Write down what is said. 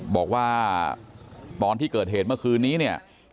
บอกว่าตอนที่เกิดเหตุเมื่อคืนนี้เนี่ย